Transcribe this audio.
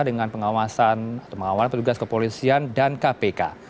dengan pengawasan atau pengawalan petugas kepolisian dan kpk